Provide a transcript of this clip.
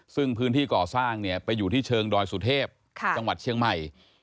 ซึ่งพื้นที่ก่อสร้างเนี่ยไปอยู่ที่เชิงดอยสุเทพจังหวัดเชียงใหม่